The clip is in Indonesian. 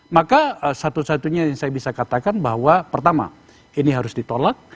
maka satu satunya yang saya bisa katakan bahwa pertama ini harus ditolak